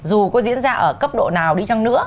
dù có diễn ra ở cấp độ nào đi chăng nữa